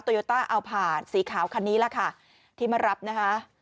โยต้าเอาผ่านสีขาวคันนี้แหละค่ะที่มารับนะคะ